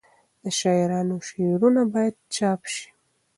د شاعرانو شعرونه باید چاپ سي.